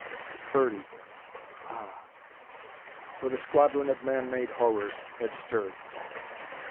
Thirty ah!" For the squadron of man made horrors had stirred.